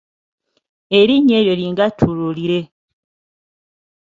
Erinnya eryo lingattululire.